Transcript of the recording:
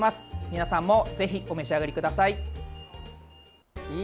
皆さんもぜひお召し上がり下さい。